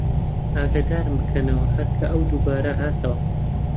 ئاگەدارم بکەنەوە هەر کە ئەو دووبارە هاتەوە